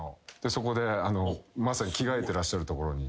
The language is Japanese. そこでまさに着替えてらっしゃるところに。